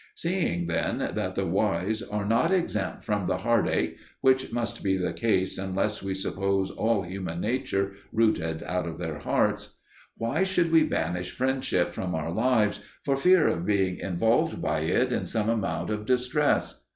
Seeing then that the wise are not exempt from the heart ache (which must be the case unless we suppose all human nature rooted out of their hearts), why should we banish friendship from our lives, for fear of being involved by it in some amount of distress?